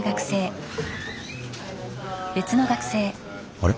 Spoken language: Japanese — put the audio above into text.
あれ？